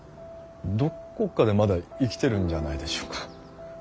どこかでまだ生きてるんじゃないでしょうか。